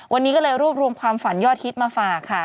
วันนี้ก็เลยรวบรวมความฝันยอดฮิตมาฝากค่ะ